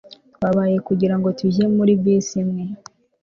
Twabaye kugirango tujye muri bisi imwe